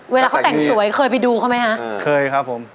เวลาเขาแต่งสวยเคยไปดูเขาไหมคะเคยครับผม